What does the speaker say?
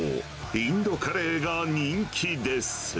インドカレーが人気です。